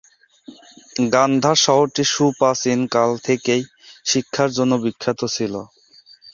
গান্ধার শহরটি সুপ্রাচীন কাল থেকেই শিক্ষার জন্য বিখ্যাত ছিলো।